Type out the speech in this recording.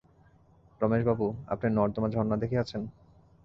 রমেশবাবু, আপনি নর্মদা-ঝরনা দেখিয়াছেন?